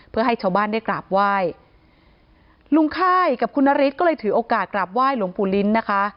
เพื่อให้ชาวบ้านได้กราบไหว้ลุงค่ายกับคุณนฤทธิ์ก็เลยถือโอกาสกราบไหว้หลวงปู่ลิ้นนะคะ